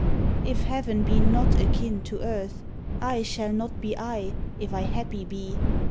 _ If heaven be not akin to earth, I shall not be I, if I happy be.